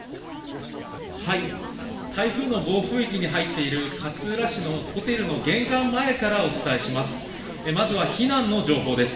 台風の暴風域に入っている勝浦市のホテルの玄関前からお伝えします。